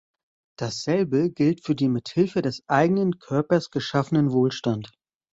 Dasselbe gilt für den mit Hilfe des eigenen Körpers geschaffenen Wohlstand.